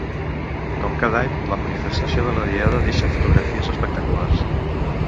Com cada any, la manifestació de la Diada deixa fotografies espectaculars.